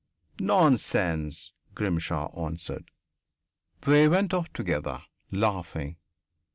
"Nonsense," Grimshaw answered. They went off together, laughing.